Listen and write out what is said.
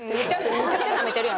めちゃくちゃなめてるやん